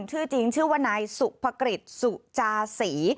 ชื่อจริงชื่อว่านายสุภกฤษสุจาศรี